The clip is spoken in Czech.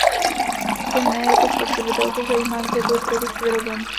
I mne jako spotřebitelku zajímá, kde byl produkt vyroben.